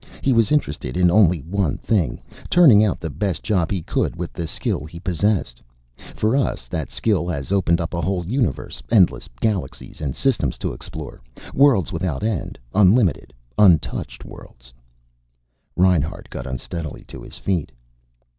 He was interested in only one thing: turning out the best job he could, with the skill he possessed. For us, that skill has opened up a whole universe, endless galaxies and systems to explore. Worlds without end. Unlimited, untouched worlds." Reinhart got unsteadily to his feet.